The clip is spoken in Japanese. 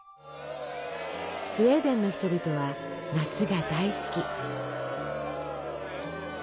スウェーデンの人々は夏が大好き！